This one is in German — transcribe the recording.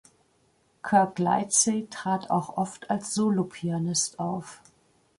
Kirk Lightsey trat auch oft als Solopianist auf.